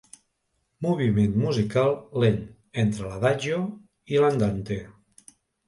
Moviment musical lent, entre l'adagio i l'andante.